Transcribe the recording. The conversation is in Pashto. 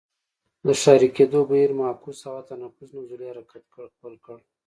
د ښاري کېدو بهیر معکوس او حتی نفوس نزولي حرکت خپل کړ.